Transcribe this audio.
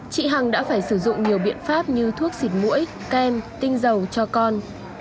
chị hằng đã phải sử dụng nhiều biện pháp như thuốc xịt mũi kem tinh dầu cho con